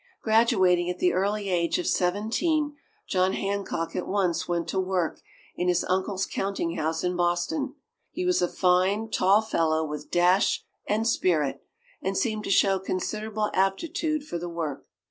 Graduating at the early age of seventeen, John Hancock at once went to work in his uncle's counting house in Boston. He was a fine, tall fellow with dash and spirit, and seemed to show considerable aptitude for the work.